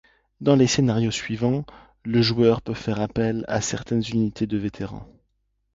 Dans les scénarios suivants, le joueur peut faire appel à certaines unités de vétérans.